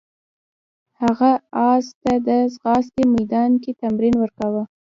هغه اس ته د ځغاستې میدان کې تمرین ورکاوه.